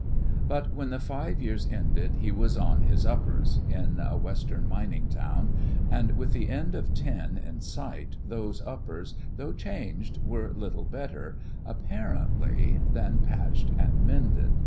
But when the five years ended he was "on his uppers" in a western mining town, and with the end of ten in sight those uppers, though changed, were little better, apparently, than patched and mended.